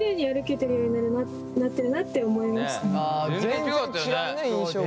全然違うね印象が。